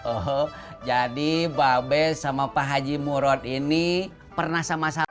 oh jadi pak bes sama pak haji murod ini pernah sama sama